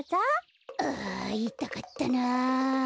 あいたかったな。